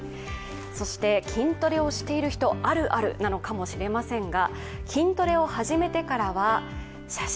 そして筋トレをしている人あるあるなのかもしれませんが。